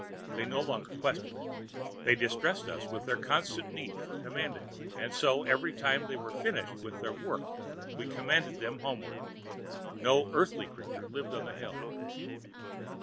They no longer questioned. They distressed us with their constant need for commanding, and so every time they were finished with their work we commanded them homeward. No Earthly creature lived on the hill.